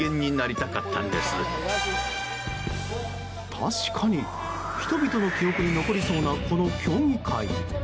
確かに人々の記憶に残りそうなこの競技会。